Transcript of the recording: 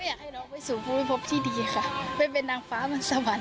อยากให้น้องไปสู่ภูมิพบที่ดีค่ะไปเป็นนางฟ้าบนสวรรค์